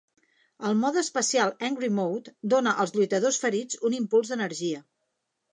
El mode especial "Angry Mode" dóna als lluitadors ferits un impuls d'energia.